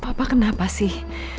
papa kenapa sih